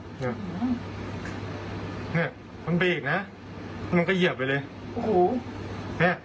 เนี้ยมันไปอีกนะมันก็เหยียบไปเลยโอ้โห